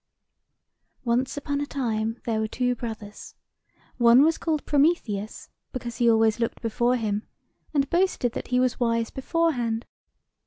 "Once on a time, there were two brothers. One was called Prometheus, because he always looked before him, and boasted that he was wise beforehand.